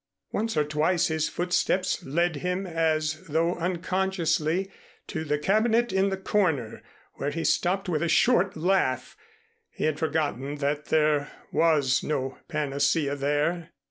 Once or twice his footsteps led him as though unconsciously to the cabinet in the corner, where he stopped with a short laugh. He had forgotten that there was no panacea there.